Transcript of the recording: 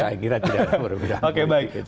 saya kira tidak ada perbedaan politik gitu